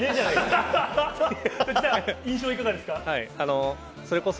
印象はいかがですか？